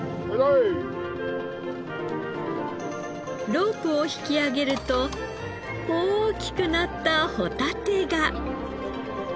ロープを引き上げると大きくなったホタテが。